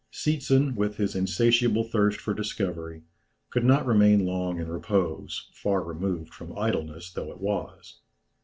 Seetzen, with his insatiable thirst for discovery, could not remain long in repose, far removed from idleness though it was.